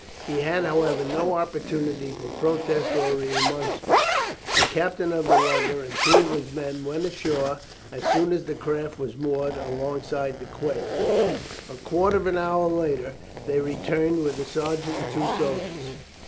He had, however, no opportunity for protest or remonstrance. The captain of the lugger and two of his men went ashore as soon as the craft was moored alongside the quay. A quarter of an hour later they returned with a sergeant and two soldiers.